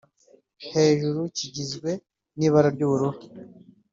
Hejuru kigizwe n’ibara ry’ubururu